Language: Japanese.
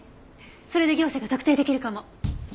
それで業者が特定できるかも。